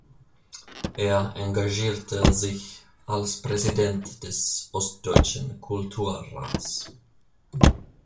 Er engagierte sich als Präsident des "Ostdeutschen Kulturrats".